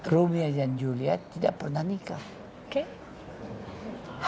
romia dan julia tidak pernah nikah